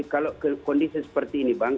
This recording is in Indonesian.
kalau kondisi seperti ini bang